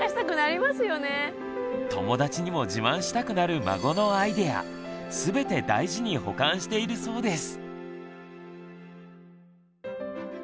友達にも自慢したくなる孫のアイデア全て大事に保管しているそうです。